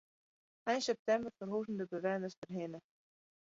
Ein septimber ferhuzen de bewenners dêrhinne.